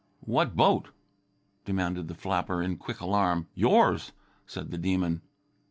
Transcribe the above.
"What boat?" demanded the flapper in quick alarm. "Your's," said the Demon.